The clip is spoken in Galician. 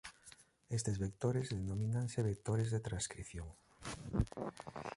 Estes vectores denomínanse vectores de transcrición.